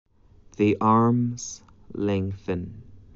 The arms lengthen.